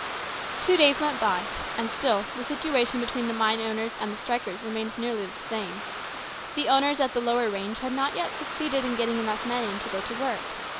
Two days went by, and still the situation between 136 HIS BROTHER'S KEEPER. the mine owners and the strikers remained nearly the same. The owners at the lower range had not yet succeeded in getting enough men in to go to work.